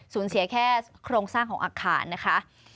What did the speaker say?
เสียแค่โครงสร้างของอาคารนะคะ